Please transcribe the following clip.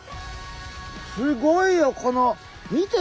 すごいよこの見て。